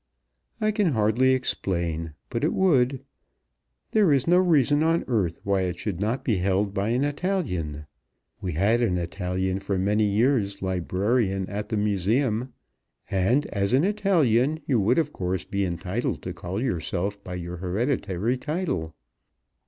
"I can hardly explain, but it would. There is no reason on earth why it should not be held by an Italian. We had an Italian for many years librarian at the Museum. And as an Italian you would of course be entitled to call yourself by your hereditary title."